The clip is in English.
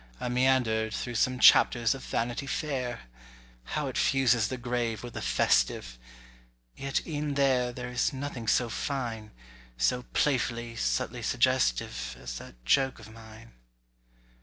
I meandered Through some chapters of Vanity Fair. How it fuses the grave with the festive! Yet e'en there, there is nothing so fine— So playfully, subtly suggestive— As that joke of mine.